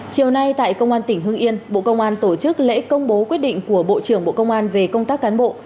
chiều nay tại công an tỉnh hưng yên bộ công an tổ chức lễ công bố quyết định của bộ trưởng bộ công an về công tác cán bộ